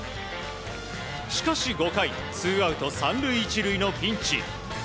しかし、５回ツーアウト３塁１塁のピンチ。